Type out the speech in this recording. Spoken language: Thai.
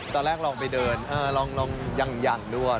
ตอนแรกลองไปเดินลองอย่างด้วย